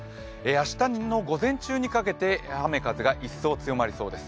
明日の午前中にかけて雨・風が一層強まりそうです。